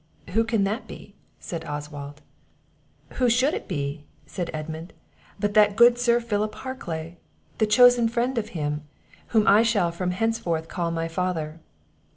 "Who can that be?" said Oswald. "Who should it be," said Edmund, "but that good Sir Philip Harclay, the chosen friend of him, whom I shall from henceforward call my father."